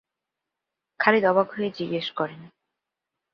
খালিদ অবাক হয়ে জিজ্ঞাসা করেন।